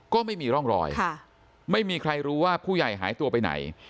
ก็ไม่มีร่องรอยไม่มีใครรู้ว่าผู้ใหญ่หายตัวไปไหน